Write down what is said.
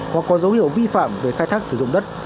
hoặc có dấu hiệu vi phạm về khai thác sử dụng đất